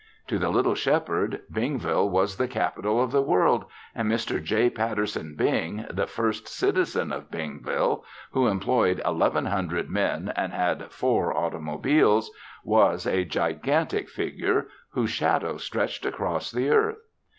To the little Shepherd, Bingville was the capital of the world and Mr. J. Patterson Bing, the first citizen of Bingville, who employed eleven hundred men and had four automobiles, was a gigantic figure whose shadow stretched across the earth.